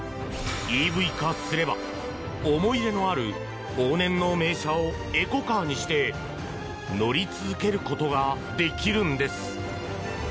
ＥＶ化すれば思い入れのある往年の名車をエコカーにして乗り続けることができるのです。